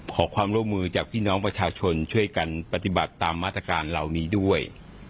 ขอความร่วมมือจากพี่น้องประชาชนช่วยกันปฏิบัติตามมาตรการเหล่านี้ด้วย